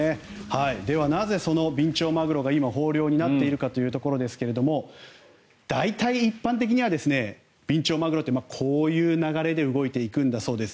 なぜそのビンチョウマグロが今豊漁になっているかというところですが大体、一般的にはビンチョウマグロってこういう流れで動いていくんだそうです。